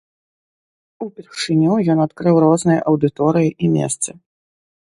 Упершыню ён адкрыў розныя аўдыторыі і месцы.